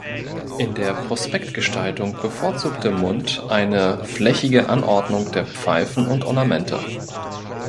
In der Prospektgestaltung bevorzugte Mundt eine flächige Anordnung der Pfeifen und Ornamente.